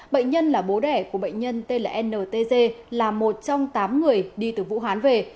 bệnh nhân là bố đẻ của bệnh nhân tên là ntg là một trong tám người đi từ vũ hán về